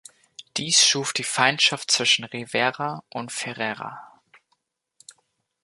Dies schuf die Feindschaft zwischen Rivera und Ferrera.